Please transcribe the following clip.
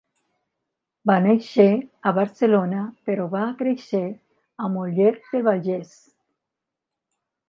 Va néixer a Barcelona però va créixer a Mollet del Vallès.